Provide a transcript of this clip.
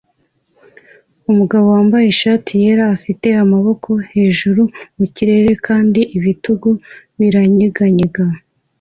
Umugabo wambaye ishati yera afite amaboko hejuru mu kirere kandi ibitugu biranyeganyega